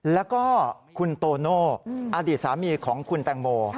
แล้วก็คุณโตโน่อดีตสามีของคุณแตงโม